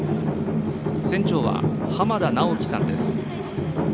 船長は濱田直樹さんです。